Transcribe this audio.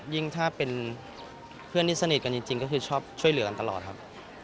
ยิ่งถ้าเป็นเพื่อนที่สนิทกันจริงก็คือชอบช่วยเหลือกันตลอดครับ